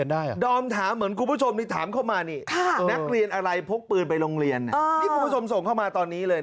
ดอมบอกว่าวันนี้